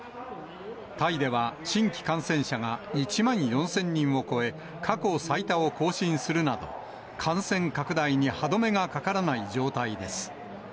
タイでは新規感染者が１万４０００人を超え、過去最多を更新するなど、感染拡大に歯止めがかからない状態です。